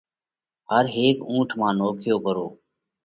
هر هيڪ اُونٺ مانه نوکيو پرو۔